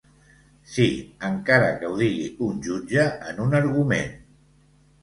Sí, encara que ho digui un jutge en un argument!